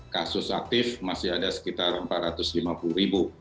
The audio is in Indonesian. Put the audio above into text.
kasus aktif masih ada sekitar empat ratus lima puluh ribu